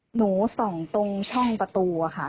หนูส่องตรงช่องประตูค่ะ